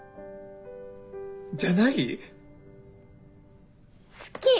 じゃない⁉好き！